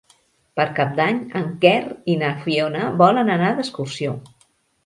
Per Cap d'Any en Quer i na Fiona volen anar d'excursió.